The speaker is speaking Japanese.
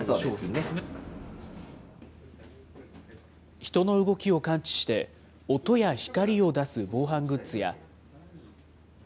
人の動きを感知して、音や光を出す防犯グッズや。